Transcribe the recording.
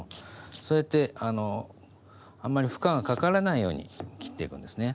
そうやってあんまり負荷がかからないように切っていくんですね。